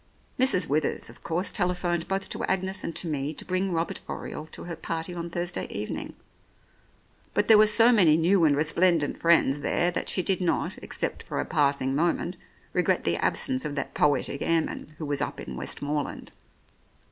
Mrs. Withers, of course, telephoned both to Agnes and to me to bring Robert Oriole to her party on Thursday evening; but there were so many new and resplendent friends there that she did not, except for a passing moment, regret the absence of that poetic airman, who was up in Westmorland.